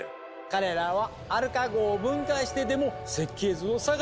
彼らはアルカ号を分解してでも設計図を捜す気らしいわ。